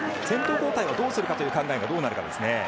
先頭交代をどうするかという考えがどうなるかですね。